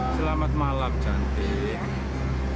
selamat malam cantik